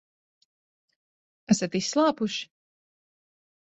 Esat izslāpuši?